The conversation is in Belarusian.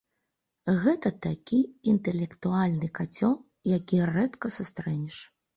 Гэта такі інтэлектуальны кацёл, які рэдка сустрэнеш.